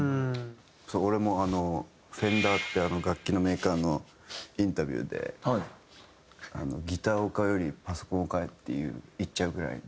そう俺もあのＦｅｎｄｅｒって楽器のメーカーのインタビューで「ギターを買うよりパソコンを買え」って言っちゃうぐらいの。